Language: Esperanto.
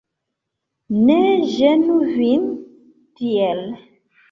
Ne ĝenu vin tiel.